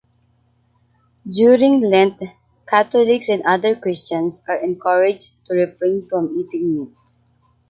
During Lent, Catholics and other Christians are encouraged to refrain from eating meat.